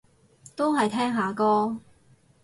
都係聽下歌